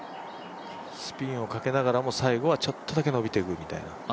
スピンをかけながらも、最後はちょっとだけ伸びていくみたいな。